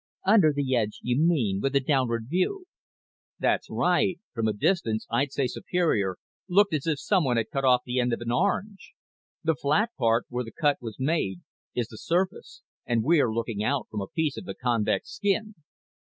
"Under the edge, you mean, with a downward view." "That's right. From a distance I'd say Superior looked as if someone had cut the end off an orange. The flat part where the cut was made is the surface and we're looking out from a piece of the convex skin."